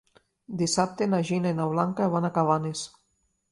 Dissabte na Gina i na Blanca van a Cabanes.